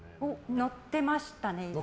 乗ってましたね、以前。